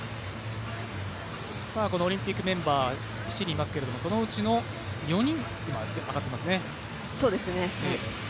このオリンピックメンバー７人いますけれども、そのうちの４人、今上がっていますね。